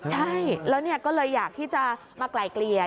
ใช่แล้วก็เลยอยากที่จะมาไกลเกลี่ย